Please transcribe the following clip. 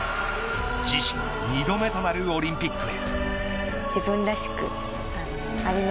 自身２度目となるオリンピックへ。